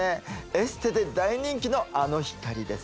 エステで大人気のあの光です